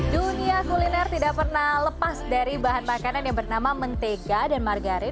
dunia kuliner tidak pernah lepas dari bahan makanan yang bernama mentega dan margarin